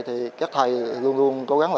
thì các thầy luôn luôn cố gắng